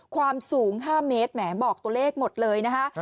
ความสูง๕เมตรแหมบอกตัวเลขหมดเลยนะคะ